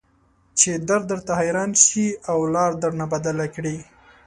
چې درد درته حيران شي او لار درنه بدله کړي.